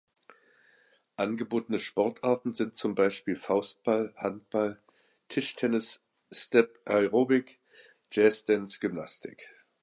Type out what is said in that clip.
Angebotene Sportarten sind zum Beispiel Faustball, Handball, Tischtennis, Step Aerobic, Jazz Dance, Gymnastik.